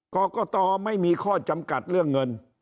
กรกตไม่มีข้อจำกัดเรื่องเงิน